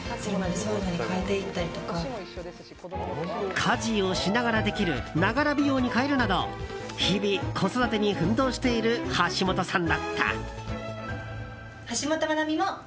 家事をしながらできるながら美容に変えるなど日々、子育てに奮闘している橋本さんだった。